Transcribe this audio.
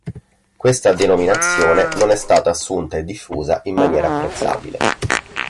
Questa denominazione non è stata assunta e diffusa in maniera apprezzabile.